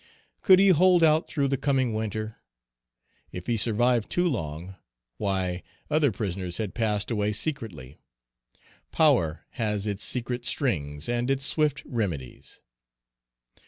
Could he hold out through the coming winter? If he survived too long why, other prisoners had passed away secretly; power has its secret strings and its swift remedies.